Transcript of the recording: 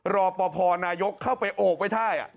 รอประพรณายกเข้าไปโอ๊คไว้